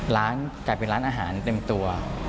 กลายเป็นร้านอาหารเต็มตัว